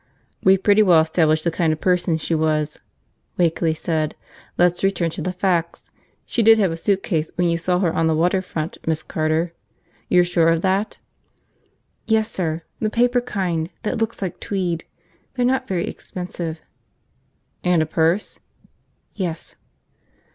"We've pretty well established the kind of person she was," Wakeley said. "Let's return to the facts. She did have a suitcase when you saw her on the water front, Miss Carter? You're sure of that?" "Yes, sir, the paper kind that looks like tweed. They're not very expensive." "And a purse?" "Yes."